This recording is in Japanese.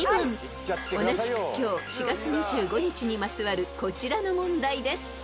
［同じく今日４月２５日にまつわるこちらの問題です］